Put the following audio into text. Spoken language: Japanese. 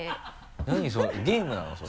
それゲームなの？